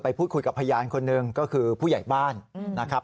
พูดคุยกับพยานคนหนึ่งก็คือผู้ใหญ่บ้านนะครับ